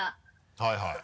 はいはい。